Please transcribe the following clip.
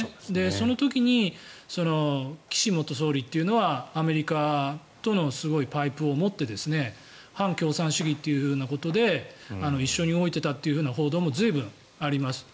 その時に岸元総理っていうのはアメリカとのパイプを持って反共産主義ということで一緒に動いていたという報道も随分あります。